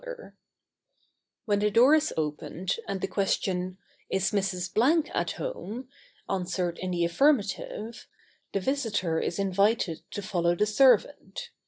[Sidenote: On arrival.] When the door is opened, and the question, "Is Mrs. Blank at home?" answered in the affirmative, the visitor is invited to follow the servant.